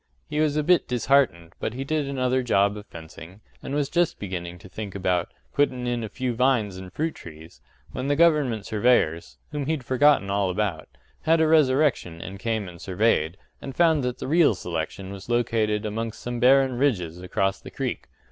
He was a bit disheartened, but he did another job of fencing, and was just beginning to think about “puttin' in a few vines an' fruit trees” when the government surveyors whom he'd forgotten all about had a resurrection and came and surveyed, and found that the real selection was located amongst some barren ridges across the creek.